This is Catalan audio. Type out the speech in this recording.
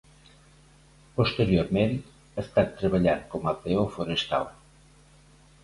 Posteriorment, ha estat treballant com a peó forestal.